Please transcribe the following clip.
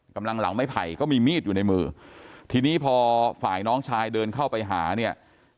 กำลังหลังไม่ไผ่ก็มีมีดอยู่ในมือทีนี้พอฝ่ายน้องชายเดินเข้าไปหาเนี่ย